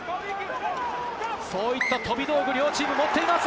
そういった飛び道具を両チーム持っています。